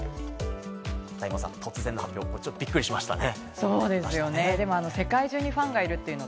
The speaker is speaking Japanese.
大門さん、突然の発表でびっくりしましたね。